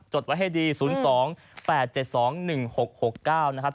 ดไว้ให้ดี๐๒๘๗๒๑๖๖๙นะครับ